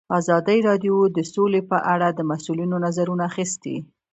ازادي راډیو د سوله په اړه د مسؤلینو نظرونه اخیستي.